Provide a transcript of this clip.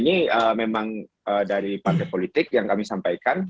dan ya wacana ini memang dari partai politik yang kami sampaikan